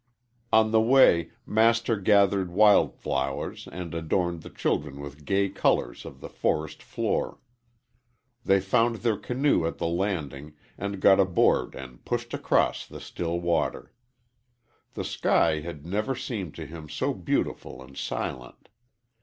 On the way Master gathered wild flowers and adorned the children with gay colors of the forest floor. They found their canoe at the landing, and got aboard and pushed across the still water. The sky had never seemed to him so beautiful and silent.